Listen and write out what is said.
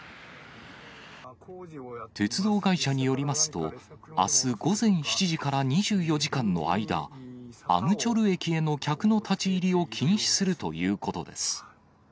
鉄道会社によりますと、あす午前７時から２４時間の間、アムチョル駅への客の立ち入りを禁止するということです。